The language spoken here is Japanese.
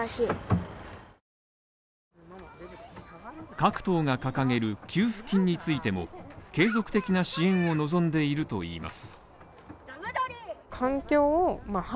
各党が掲げる給付金についても継続的な支援を望んでいるといいます。